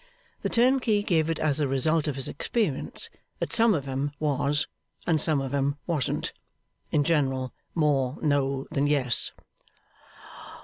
The turnkey gave it as the result of his experience that some of 'em was and some of 'em wasn't. In general, more no than yes.